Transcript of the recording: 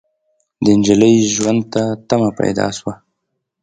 د نجلۍ ژوند ته تمه پيدا شوه.